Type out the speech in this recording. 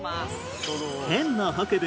県の北部